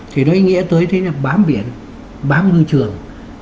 thì nó ý nghĩa tới thế là bám biển bám ngư trường